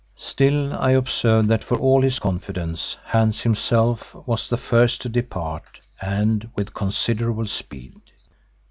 Still I observed that for all his confidence, Hans himself was the first to depart and with considerable speed.